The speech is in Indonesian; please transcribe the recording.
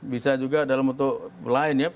bisa juga dalam bentuk lain ya